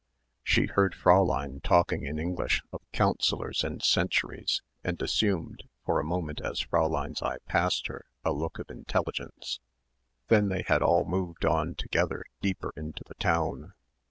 She heard Fräulein talking in English of councillors and centuries and assumed for a moment as Fräulein's eye passed her a look of intelligence; then they had all moved on together deeper into the town.